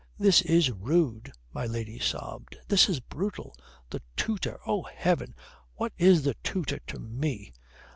"This is rude," my lady sobbed; "this is brutal. The tutor! Oh, heaven, what is the tutor to me?